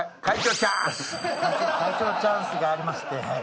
会長チャンスがありまして。